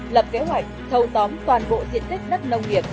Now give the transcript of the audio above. lập kế hoạch thâu tóm toàn bộ diện tích đất nông nghiệp